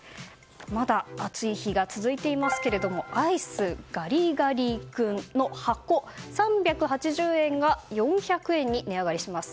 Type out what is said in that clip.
まだ暑い日が続いていますがアイス、ガリガリ君の箱３８０円が４００円に値上がりします。